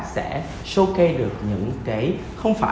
sẽ showcase được các nội dung nội dung của ai